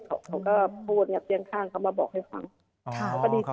เขาก็พูดอย่างเตียงข้างเขามาบอกให้ฟัง